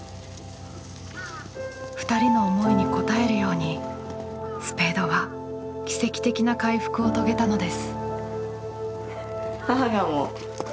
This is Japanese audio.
２人の思いに応えるようにスペードは奇跡的な回復を遂げたのです。